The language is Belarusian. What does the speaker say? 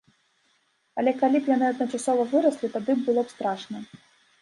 Але калі б яны адначасова выраслі, тады б было страшна.